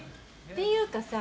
っていうかさ